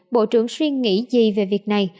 bộ trưởng suy nghĩ gì về việc này